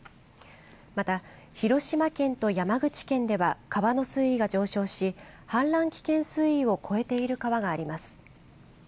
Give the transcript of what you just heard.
また広島県と山口県では川の水位が上昇し氾濫危険水位を超えている川があります。